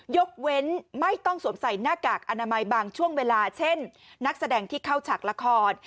ยกเว้นไม่ต้องสวมใส่หน้ากากอนามัยบางช่วงเวลาเช่นนักแสดงที่เข้าฉากละคร